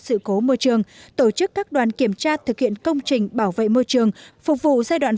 sự cố môi trường tổ chức các đoàn kiểm tra thực hiện công trình bảo vệ môi trường phục vụ giai đoạn